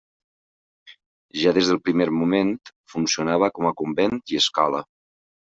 Ja des del primer moment funcionava com a convent i escola.